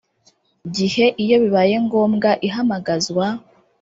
gihe iyo bibaye ngombwa ihamagazwa